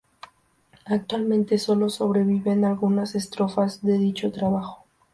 Actualmente, solo sobreviven algunas estrofas de dicho trabajo.